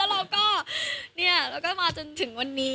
แล้วก็มาจนถึงวันนี้